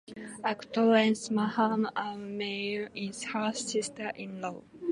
Actress Maham Aamir is her sister in law.